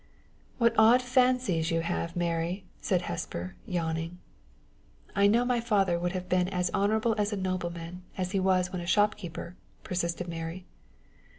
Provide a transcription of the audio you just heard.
"What odd fancies you have, Mary!" said Hesper, yawning. "I know my father would have been as honorable as a nobleman as he was when a shopkeeper," persisted Mary.